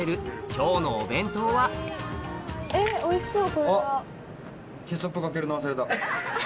今日のお弁当はおいしそう！